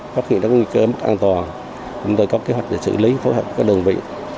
phát hiện các nguy cơ an toàn chúng tôi có kế hoạch xử lý phối hợp với các đơn vị